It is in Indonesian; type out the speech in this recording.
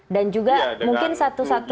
dan juga mungkin satu satunya